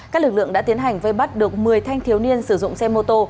các lực lượng đã tiến hành vây bắt được một mươi thanh thiếu niên sử dụng xe mô tô